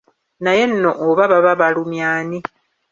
Naye nno oba baba balumya ani?